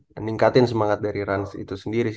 meningkatin semangat dari ran itu sendiri